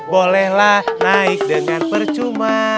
bolehlah naik dengan percuma